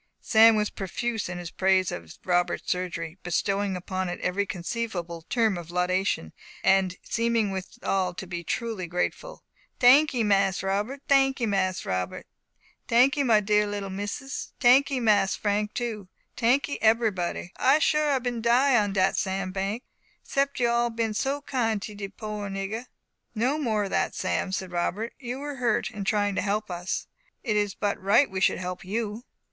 Sam was profuse in his praise of Robert's surgery, bestowing upon it every conceivable term of laudation, and seeming withal to be truly grateful. "Tankee, Mas Robert! Tankee, Mas Harold! Tankee, my dear little misses! Tankee, Mas Frank too! Tankee, ebbery body! I sure I bin die on dat sand bank, 'sept you all bin so kind to de poor nigger." "No more of that, Sam," said Robert, "you were hurt in trying to help us; it is but right we should help you."